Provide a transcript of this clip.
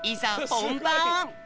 ほんばん。